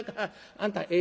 あんたええ